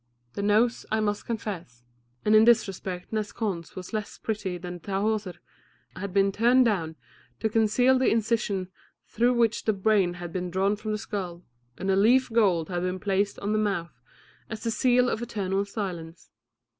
The nose, I must confess, and in this respect Nes Khons was less pretty than Tahoser, had been turned down to conceal the incision through which the brain had been drawn from the skull, and a leaf of gold had been placed on the mouth as the seal of eternal silence.